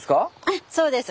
あっそうです。